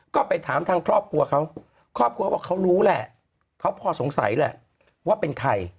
ก็ไปถามทางครอบครัวเขาครอบครัวเขาบอกเขารู้แหละเขาพอสงสัยแหละว่าเป็นใคร